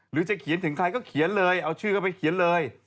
หรือจะเขียนถึงใครก็เขียนเลยเอาชื่อก็ไปเขียนเลย